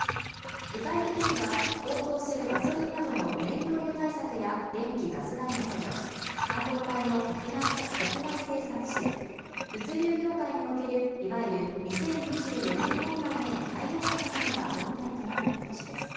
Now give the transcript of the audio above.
具体的には高騰するガソリンなどの燃料油対策や電気ガス代の補助半導体の国内生産支援物流業界におけるいわゆる２０２４年問題への対応策などが論点となる見通しです